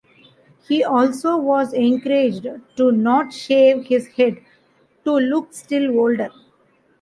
He also was encouraged to not shave his head to look still older.